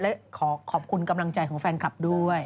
และขอขอบคุณกำลังใจของแฟนคลับด้วย